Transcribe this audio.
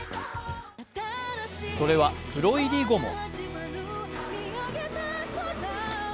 それは、プロ入り後も。